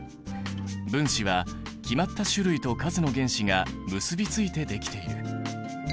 分子は決まった種類と数の原子が結びついてできている。